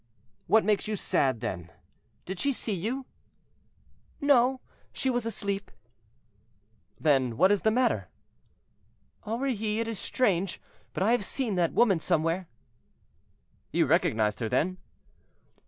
"What makes you sad then? Did she see you?" "No, she was asleep." "Then what is the matter?" "Aurilly, it is strange, but I have seen that woman somewhere." "You recognized her, then?"